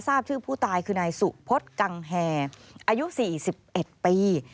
ทราบชื่อผู้ตายคือนายสุพศกังแฮอายุ๔๑ปี